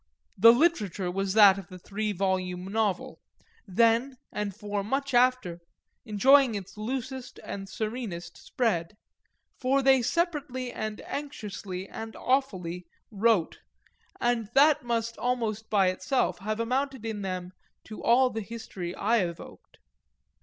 The literature was that of the three volume novel, then, and for much after, enjoying its loosest and serenest spread; for they separately and anxiously and awfully "wrote" and that must almost by itself have amounted in them to all the history I evoked.